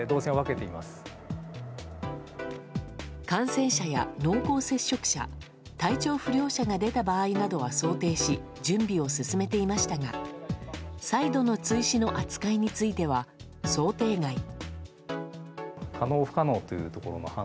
感染者や濃厚接触者体調不良者が出た場合などは想定し、準備を進めていましたが再度の追試の扱いについては想定外。